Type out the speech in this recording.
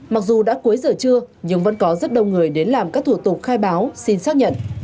mặc dù đã cuối giờ chưa nhưng vẫn có rất đông người đến làm các thủ tục khai báo xin xác nhận